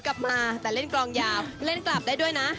จะเล่นกลางยาวเล่นกลับได้ด้วยนะ